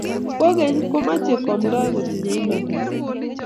kogeny komeche koamtoi kotinyei imanda